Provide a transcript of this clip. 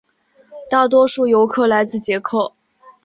大多数游客来自捷克。